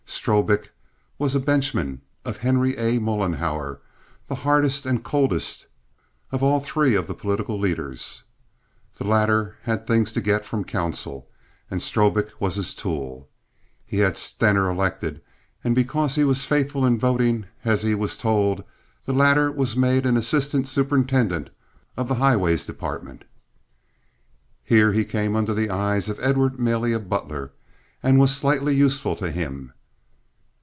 Strobik was a benchman of Henry A. Mollenhauer, the hardest and coldest of all three of the political leaders. The latter had things to get from council, and Strobik was his tool. He had Stener elected; and because he was faithful in voting as he was told the latter was later made an assistant superintendent of the highways department. Here he came under the eyes of Edward Malia Butler, and was slightly useful to him.